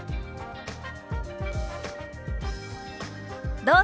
どうぞ。